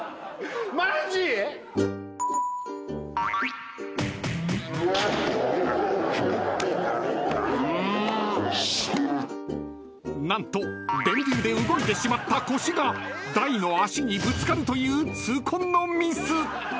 マジ⁉［何と電流で動いてしまった腰が台の脚にぶつかるという痛恨のミス！］